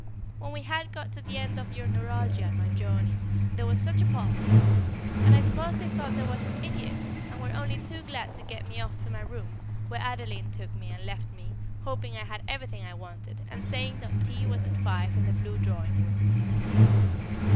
When we had got to the end of your neuralgia and my journey, there was such a pause! and I suppose they thought I was an idiot, and were only too glad to get me off to my room, where Adeline took me, and left me, hoping I had everything I wanted, and saying tea was at five in the blue drawing room.